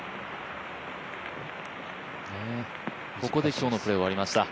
ここで今日のプレーは終わりました。